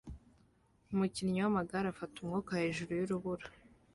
Umukinnyi w'amagare afata umwuka hejuru y'urubura